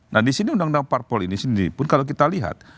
nah di sini undang undang parpol ini sendiri pun kalau kita lihat